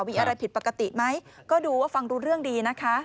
มีอะไรผิดปกติไหมก็ดูว่าฟังรู้เรื่องดีนะคะ